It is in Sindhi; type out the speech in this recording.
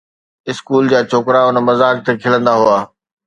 اسڪول جا ڇوڪرا ان مذاق تي کلندا هئا